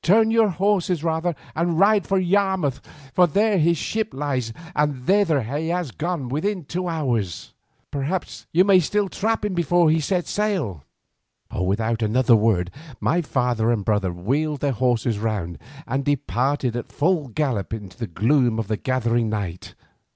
Turn your horses rather and ride for Yarmouth, for there his ship lies and thither he has gone with two hours' start. Perhaps you may still trap him before he sets sail." Without another word my father and brother wheeled their horses round and departed at full gallop into the gloom of the gathering night.